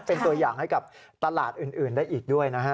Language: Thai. เป็นตัวอย่างให้กับตลาดอื่นได้อีกด้วยนะฮะ